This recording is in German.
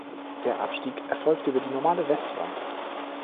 Der Abstieg erfolgte über die normale Westwand.